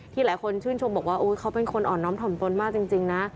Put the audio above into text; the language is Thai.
หลายคนชื่นชมบอกว่าเขาเป็นคนอ่อนน้อมถ่อมตนมากจริงนะ